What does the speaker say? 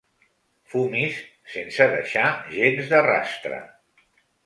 Fumis sense deixar gens de rastre.